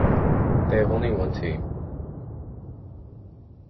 They have only one team.